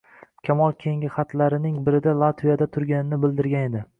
Kamol keyingi xatlarining birida Latviyada turganini bildirgan edi